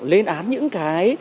lên án những cái